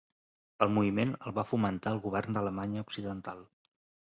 El moviment el va fomentar el govern d'Alemanya Occidental.